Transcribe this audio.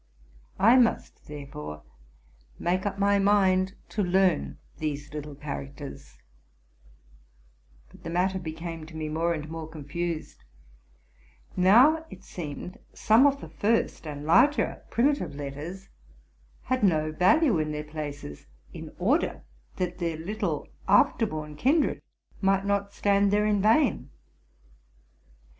I must, therefore, make up my mind to learn these little characters; but the matter became to me more and AOE otal Pee a Neg ate R etite 2 RELATING TO MY LIFE. 105 more confused. Now, it seemed, some of the first and larger primitive letters had no value in their places, in order that their little after born kindred might not stand there in vain.